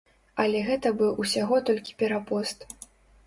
Але гэта быў усяго толькі перапост.